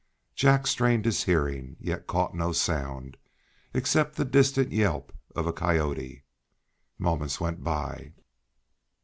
Jack strained his hearing, yet caught no sound, except the distant yelp of a coyote. Moments went by.